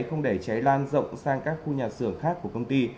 không để cháy lan rộng sang các khu nhà xưởng khác của công ty